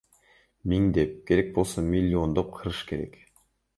Миңдеп, керек болсо миллиондоп кырыш керек.